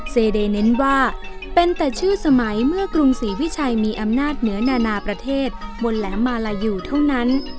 เซเดเน้นว่าเป็นแต่ชื่อสมัยเมื่อกรุงศรีวิชัยมีอำนาจเหนือนานาประเทศบนแหลมมาลายูเท่านั้น